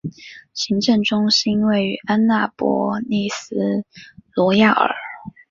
行政中心位于安纳波利斯罗亚尔。